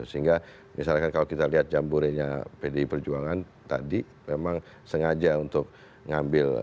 sehingga misalkan kalau kita lihat jamborenya pdi perjuangan tadi memang sengaja untuk ngambil dari kota